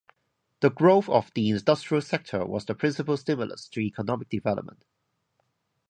The growth of the industrial sector was the principal stimulus to economic development.